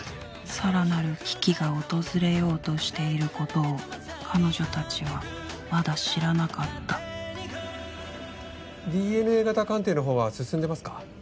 さらなる危機が訪れようとしていることを彼女たちはまだ知らなかったＤＮＡ型鑑定の方は進んでますか？